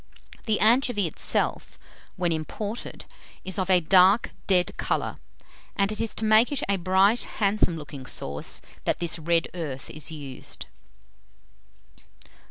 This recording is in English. The anchovy itself, when imported, is of a dark dead colour, and it is to make it a bright "handsome looking sauce" that this red earth is used.